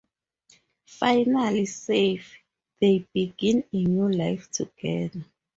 Finally safe, they begin a new life together.